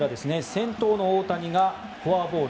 先頭の大谷がフォアボール。